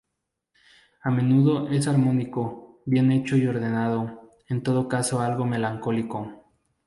El mundo es armónico, bien hecho y ordenado, en todo caso algo melancólico.